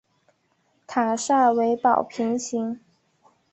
塔刹为宝瓶形。